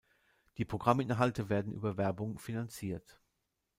Die Programminhalte werden über Werbung finanziert.